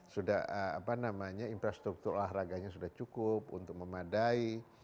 sudah apa namanya infrastruktur olahraganya sudah cukup untuk memadai